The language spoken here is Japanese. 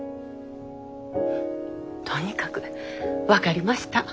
とにかく分かりました。